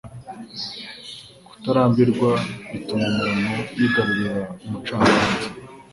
Kutarambirwa bituma umuntu yigarurira umucamanza